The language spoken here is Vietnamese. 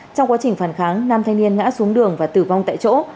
trong quá trình phản kháng năm thanh niên ngã xuống đường và tử vong tại chỗ